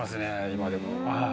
今でも。